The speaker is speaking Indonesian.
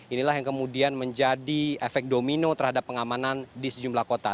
inilah yang kemudian menjadi efek domino terhadap pengamanan di sejumlah kota